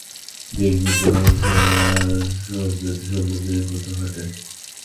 দেখবি, তোরা ছাড়া আর সব জাতি সম্বন্ধেই ঐ কথা খাটে।